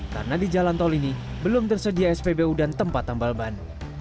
karena di jalan tol ini belum tersedia spbu dan tempat tambal ban